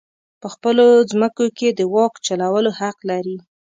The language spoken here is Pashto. په خپلو مځکو کې د واک چلولو حق لري.